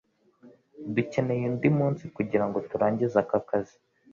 Dukeneye undi munsi kugirango turangize aka kazi.